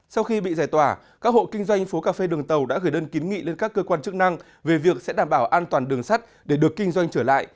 sau khi bị giải tỏa các hộ kinh doanh phố cà phê đường tàu đã gửi đơn kiến nghị lên các cơ quan chức năng về việc sẽ đảm bảo an toàn đường sắt để được kinh doanh trở lại